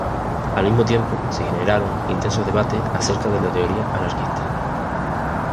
Al mismo tiempo, se generaron intensos debates acerca de la teoría anarquista.